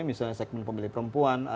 misalnya segmen pemilih perempuan